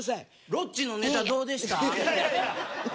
ロッチのネタ、どうでした。